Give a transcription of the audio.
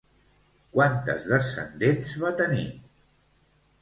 Quantes descendents va tenir?